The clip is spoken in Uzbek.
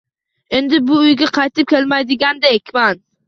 Endi bu uyga qaytib kelmaydigandekman